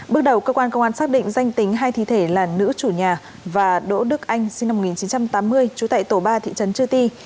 bước đầu cơ quan công an xác định danh tính hai thi thể là nữ chủ nhà và đỗ đức anh sinh năm một nghìn chín trăm tám mươi trú tại tổ ba thị trấn chư ti